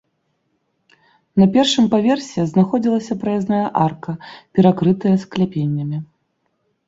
На першым паверсе знаходзілася праязная арка, перакрытая скляпеннямі.